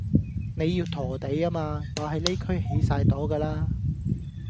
你要陀地吖嘛，我喺呢區起曬朵㗎啦